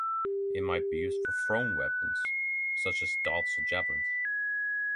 it might be used for thrown weapons, such as darts or javelins.